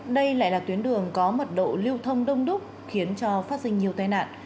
đây lại là tuyến đường có mật độ lưu thông đông đúc khiến cho phát sinh nhiều tai nạn